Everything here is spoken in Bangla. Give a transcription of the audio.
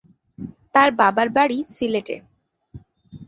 তার বাবার বাড়ি সিলেটে।